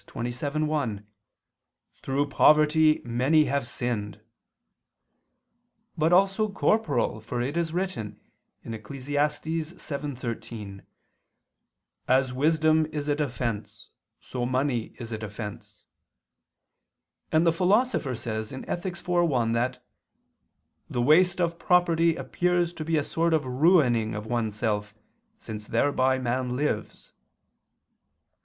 27:1, "Through poverty many have sinned" but also corporal, for it is written (Eccles. 7:13): "As wisdom is a defense, so money is a defense," and the Philosopher says (Ethic. iv, 1) that "the waste of property appears to be a sort of ruining of one's self, since thereby man lives."